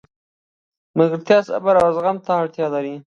ملګرتیا صبر او زغم ته اړتیا لري.